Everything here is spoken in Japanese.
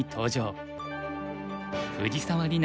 藤沢里菜